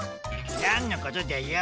なんのことだよ？